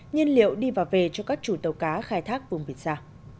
nhiên liệu đi và về cho các chủ tàu cá